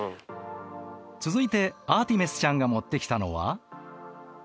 続いてアーティメスちゃんが持ってきたのは。